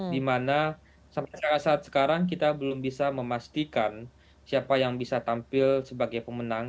dimana sampai saat saat sekarang kita belum bisa memastikan siapa yang bisa tampil sebagai pemenang